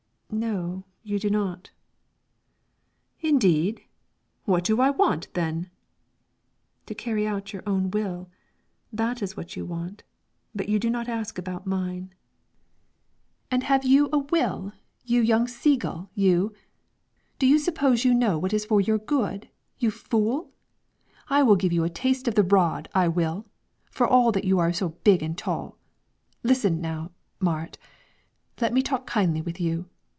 "No, you do not." "Indeed? What do I want, then?" "To carry out your own will, that is what you want; but you do not ask about mine." "And have you a will, you young sea gull, you? Do you suppose you know what is for your good, you fool? I will give you a taste of the rod, I will, for all you are so big and tall. Listen now, Marit; let me talk kindly with you.